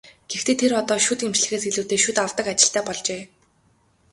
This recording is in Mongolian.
Гэхдээ тэр одоо шүд эмчлэхээс илүүтэй шүд авдаг ажилтай болжээ.